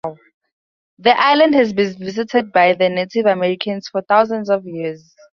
The island has been visited by the Native Americans for thousands of years.